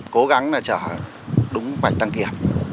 cố gắng là trả đúng vạch đăng kiểm